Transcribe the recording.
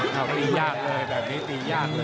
เอาตียากเลยแบบนี้ตียากเลย